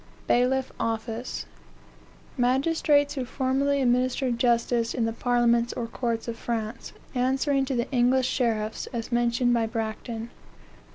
"BAILIFF office. Magistrates who formerly administered justice in the parliaments or courts of France, answering to the English sheriffs, as mentioned by Bracton."